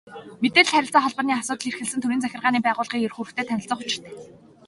Мэдээлэл, харилцаа холбооны асуудал эрхэлсэн төрийн захиргааны байгууллагын эрх үүрэгтэй танилцах учиртай.